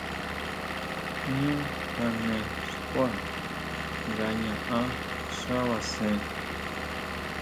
Ñu jane xkuá nga ñaʼán xábasen.